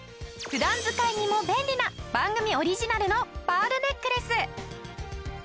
普段使いにも便利な番組オリジナルのパールネックレス。